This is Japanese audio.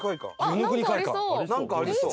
なんかありそう。